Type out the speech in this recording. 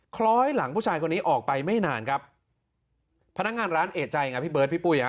คล้อยหลังผู้ชายคนนี้ออกไปไม่นานครับพนักงานร้านเอกใจไงพี่เบิร์ดพี่ปุ้ยฮะ